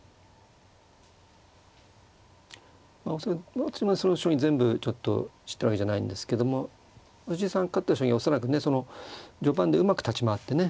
恐らくその将棋全部ちょっと知ってるわけじゃないんですけども藤井さん勝った将棋は恐らくねその序盤でうまく立ち回ってね